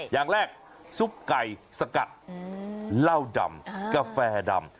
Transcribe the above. อย่างแรกซุปไก่สกัดเหล้าดำกาแฟดำ